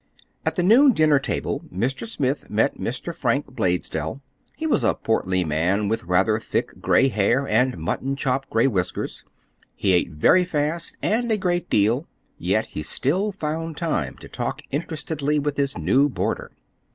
At the noon dinner table Mr. Smith met Mr. Frank Blaisdell. He was a portly man with rather thick gray hair and "mutton chop" gray whiskers. He ate very fast, and a great deal, yet he still found time to talk interestedly with his new boarder.